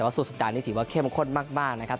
แต่ว่าส่วนสุดท้ายนี้ถือว่าเข้มข้นมากนะครับ